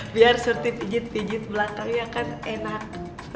biar sertit pijit pijit belakangnya kan enak